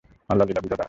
আল্লাহর লীলা বুঝা দায়।